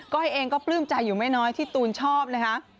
้อยเองก็ปลื้มใจอยู่ไม่น้อยที่ตูนชอบนะคะ